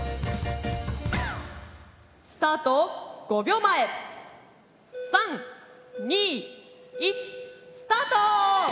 スタート５秒前３・２・１スタート！